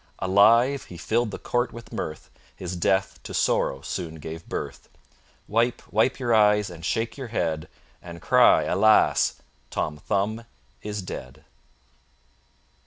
Alive he filled the court with mirth; His death to sorrow soon gave birth. Wipe, wipe your eyes, and shake your head And cry,—Alas! Tom Thumb is dead!